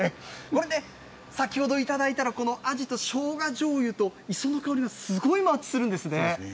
これね、先ほど頂いたこのアジとしょうがじょうゆと、その香りとすごいマッチするんですね。